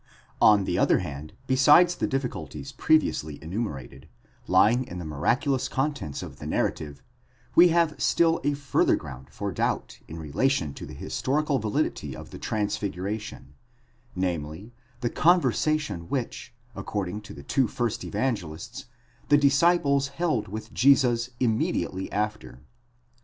5 On theother hand besides the difficulties previously enumerated, lying in the miraculous contents of the narrative, we have still a further ground for doubt in relation to the historical validity of the transfiguration : namely, the conver sation which, according to the two first Evangelists, the disciples held with Jesus immediately after.